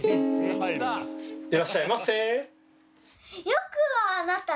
「いらっしゃいませ」。